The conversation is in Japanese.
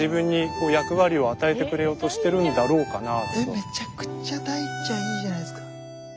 めちゃくちゃ大ちゃんいいじゃないですか。